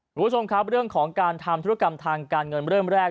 คุณผู้ชมครับเรื่องของการทำธุรกรรมทางการเงินเริ่มแรก